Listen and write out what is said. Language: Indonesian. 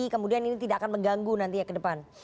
kemudian ini tidak akan mengganggu nanti ya ke depan